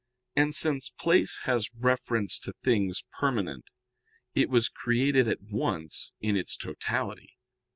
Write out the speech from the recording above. And since place has reference to things permanent, it was created at once in its totality.